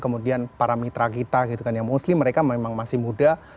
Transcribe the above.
kemudian para mitra kita gitu kan yang mostly mereka memang masih muda